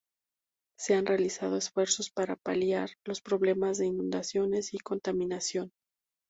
Se han realizado esfuerzos para paliar los problemas de inundaciones y contaminación.